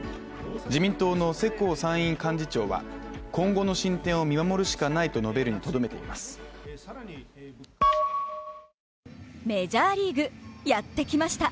自民党の世耕参院幹事長は今後の進展を見守るしかないと述べるにとどめていますメジャーリーグやってきました